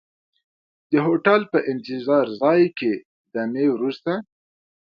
د هوټل په انتظار ځای کې دمې وروسته.